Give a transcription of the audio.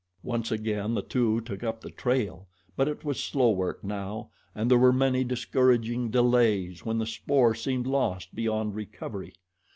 Once again the two took up the trail, but it was slow work now and there were many discouraging delays when the spoor seemed lost beyond recovery.